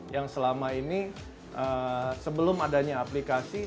yang selama ini sebelum adanya aplikasi